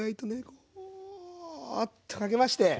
こうっとかけまして。